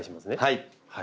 はい。